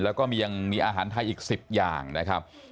แล้วก็ยังมีอาหารไทยอีก๑๐อย่างนะครับ